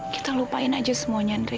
kita lupain aja semuanya andri